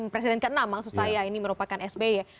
presiden ke enam maksud saya ini merupakan sb ya